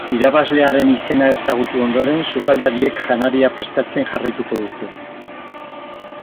Irabazlearen izena ezagutu ondoren, sukaldariek janaria prestatzen jarraituko dute.